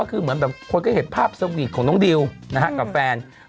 คืออะไรที่นี่แล้วอะ